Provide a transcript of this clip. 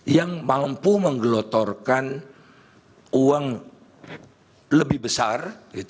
yang mampu menggelotorkan uang lebih besar